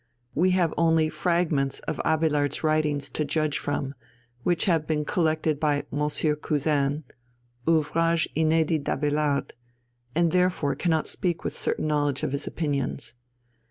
We have only fragments of Abélard's writings to judge from, which have been collected by M. Cousin Ouvrages inédits d'Abélard and therefore cannot speak with certain knowledge of his opinions.